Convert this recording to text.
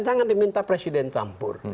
jangan diminta presiden campur